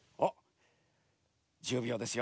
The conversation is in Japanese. １０秒ですよ。